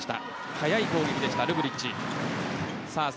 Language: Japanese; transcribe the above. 速い攻撃でした、ルブリッチ。